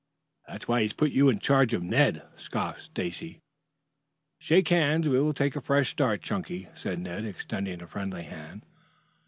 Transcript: "That's why he's put you in charge of Ned," scoffed Stacy. "Shake hands. We will take a fresh start, Chunky," said Ned, extending a friendly hand.